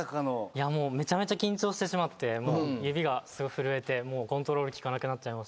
いやもうめちゃめちゃ緊張してしまって指がすごい震えてコントロール利かなくなっちゃいました。